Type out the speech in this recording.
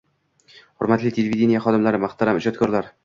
–Hurmatli televideniye xodimlari, muhtaram ijodkorlar!